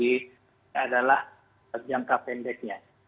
ini adalah jangka pendeknya